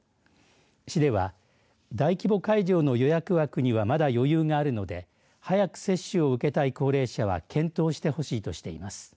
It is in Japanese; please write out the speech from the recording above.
市では、大規模会場の予約枠にはまだ余裕があるので早く接種を受けたい高齢者は検討してほしいとしています。